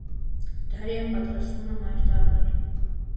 Դարիան պատրաստվում է մայր դառնալ։